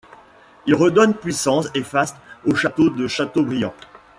Il redonne puissance et faste au château de Châteaubriant.